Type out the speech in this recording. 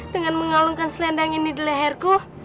dengan mengalungkan selendang ini di leherku